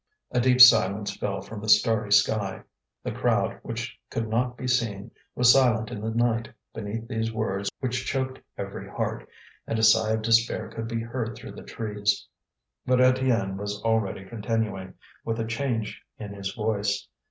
A deep silence fell from the starry sky. The crowd, which could not be seen, was silent in the night beneath these words which choked every heart, and a sigh of despair could be heard through the trees. But Étienne was already continuing, with a change in his voice.